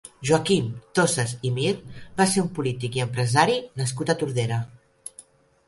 Joaquim Tosas i Mir va ser un polític i empresari nascut a Tordera.